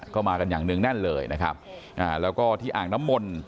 ก็มากันอย่างเนื่องแน่นเลยนะครับอ่าแล้วก็ที่อ่างน้ำมนต์